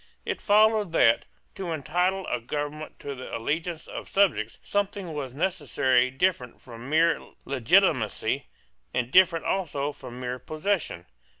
It followed that, to entitle a government to the allegiance of subjects, something was necessary different from mere legitimacy, and different also from mere possession.